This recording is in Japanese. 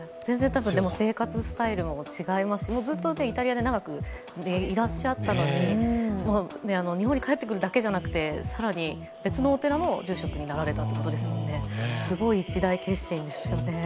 生活スタイルも違いますし、ずっとイタリアに長くいらっしゃったのに日本に帰ってくるだけじゃなくて更に別のお寺も住職になられたということですもんね、すごい一大決心ですよね。